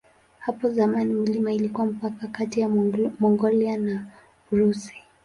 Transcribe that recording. Hapo zamani milima ilikuwa mpaka kati ya Mongolia na Urusi.